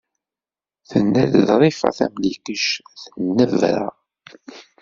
Tenna-d Ḍrifa Tamlikect, tennebra.